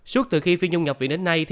suốt từ khi phi nhung nhập viện đến nay